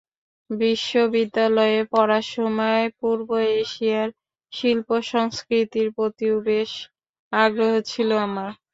বিশ্ববিদ্যালয়ে পড়ার সময় পূর্ব এশিয়ার শিল্প-সংস্কৃতির প্রতিও বেশ আগ্রহ ছিল আমার।